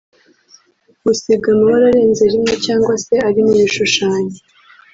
Gusiga amabara arenze rimwe cyangwa se arimo ibishushanyo